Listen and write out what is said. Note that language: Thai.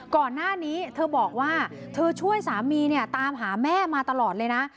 ก่อนหน้านี้เธอบอกว่าเธอช่วยสามีเนี่ยตามหาแม่มาตลอดเลยนะ